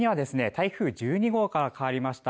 台風１２号から変わりました